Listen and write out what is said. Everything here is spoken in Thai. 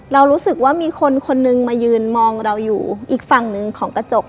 เรารู้สึกว่ามีคนคนนึงมายืนมองเราอยู่อีกฝั่งหนึ่งของกระจก